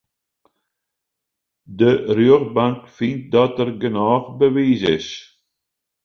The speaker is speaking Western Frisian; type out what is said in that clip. De rjochtbank fynt dat der genôch bewiis is.